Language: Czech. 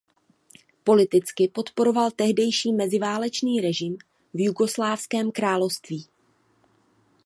Politicky podporoval tehdejší meziválečný režim v jugoslávském království.